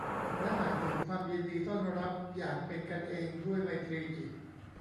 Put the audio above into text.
และหมายถึงความยินดีต้อนรับอย่างเป็นกันเองด้วยไมตรีจิต